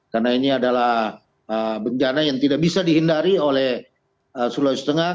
karena ini adalah bencana yang tidak bisa dihindari oleh sulawesi tengah